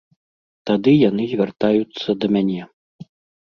Тады яны звяртаюцца да мяне.